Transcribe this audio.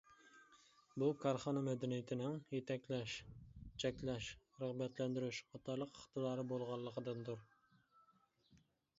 بۇ كارخانا مەدەنىيىتىنىڭ يېتەكلەش، چەكلەش، رىغبەتلەندۈرۈش قاتارلىق ئىقتىدارى بولغانلىقىدىندۇر.